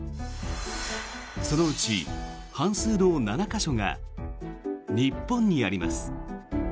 そのうち半数の７か所が日本にあります。